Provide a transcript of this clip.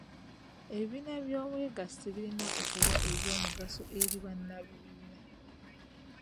Ebibiina by'obwegassi birina okuba eby'omugaso eri bannabibiina.